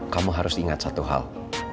kamu harus ingat satu hal